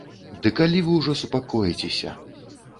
Ды калі вы ўжо супакоіцеся?